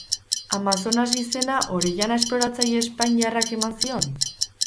Amazonas izena Orellana esploratzaile espainiarrak eman zion?